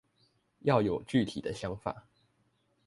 要有具體的想法